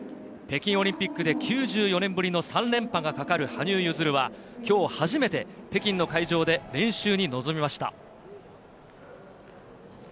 北京オリンピックで９４年ぶりの３連覇が懸かる羽生結弦は、今日初めて北京の会場で練習に臨みました。